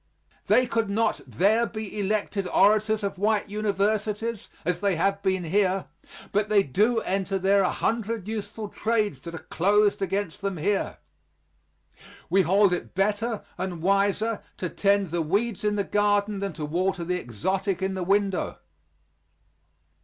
They could not there be elected orators of white universities, as they have been here, but they do enter there a hundred useful trades that are closed against them here. We hold it better and wiser to tend the weeds in the garden than to water the exotic in the window.